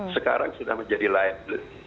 sekarang sudah menjadi layak